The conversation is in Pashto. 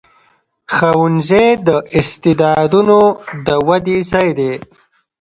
ښوونځی د استعدادونو د ودې ځای دی.